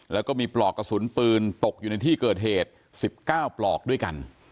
แล้วก็มีปลอกกระสุนปืนตกอยู่ในที่เกิดเหตุ๑๙ปลอกด้วยกัน